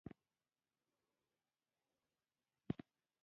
ما د ملامموزي په کور کې شپې تیرې کړې.